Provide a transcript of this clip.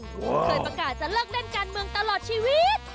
เคยประกาศจะเลิกเล่นการเมืองตลอดชีวิต